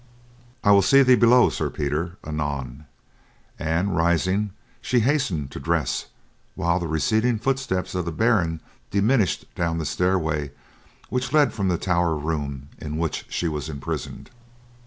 "I will see thee below, Sir Peter, anon," and rising, she hastened to dress, while the receding footsteps of the Baron diminished down the stairway which led from the tower room in which she was imprisoned.